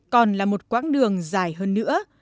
còn là một quãng đường dài hơn nữa